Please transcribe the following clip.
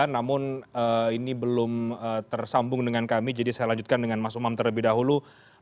namun ini belum tersambung dengan kami jadi saya lanjutkan dengan mas umam terlebih dahulu